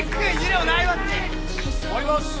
終わります